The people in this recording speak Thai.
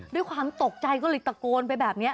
ด้วยความตกใจก็เลยตะโกนไปแบบนี้